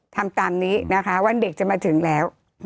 ทำตามนี้นะคะวันเด็กจะมาถึงแล้ว